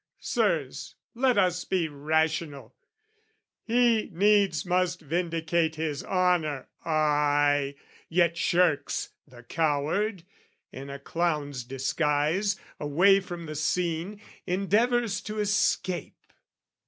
Sirs, let us be rational! He needs must vindicate his honour, ay, Yet shirks, the coward, in a clown's disguise, Away from the scene, endeavours to escape.